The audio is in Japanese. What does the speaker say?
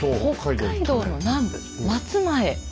北海道の南部松前。